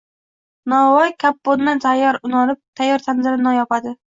Novvoy kappondan tayyor un olib, tayyor tandirda non yopadi…